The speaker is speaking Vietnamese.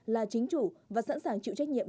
là chính chủ và sẵn sàng chịu trách nhiệm